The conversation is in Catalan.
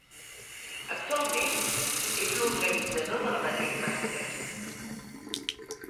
Actualment, és l"organitzador de la Madrid Masters.